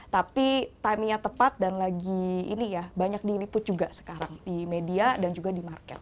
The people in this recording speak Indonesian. tapi timenya tepat dan lagi ini ya banyak diliput juga sekarang di media dan juga di market